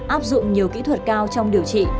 áp dụng nhiều kỹ thuật cao trong điều trị